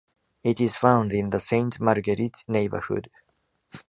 It is found in the Sainte-Marguerite neighborhood.